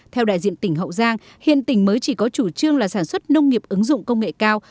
theo đại diện tỉnh hậu giang hiện tỉnh mới chỉ có chủ trương là sản xuất nông nghiệp ứng dụng công nghệ cao